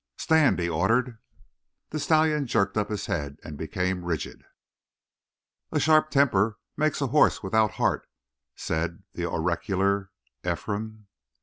"Stand!" he ordered. The stallion jerked up his head and became rigid. "A sharp temper makes a horse without heart," said the oracular Ephraim.